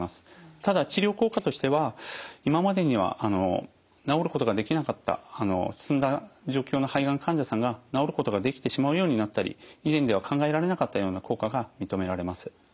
ただ治療効果としては今までには治ることができなかった進んだ状況の肺がん患者さんが治ることができてしまうようになったり以前では考えられなかったような効果が認められます。